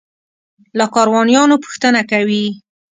له کاروانیانو پوښتنه کوي.